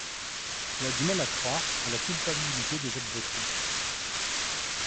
Il a du mal à croire à la culpabilité de Jacques Vauthier.